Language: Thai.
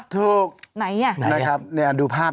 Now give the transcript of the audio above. ถูกไหนนี่นะครับดูภาพ